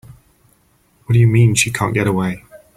What do you mean she can't get away?